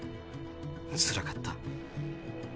つらかった。